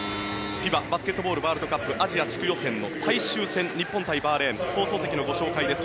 ＦＩＢＡバスケットボールワールドカップアジア地区予選の最終戦日本対バーレーン放送席のご紹介です。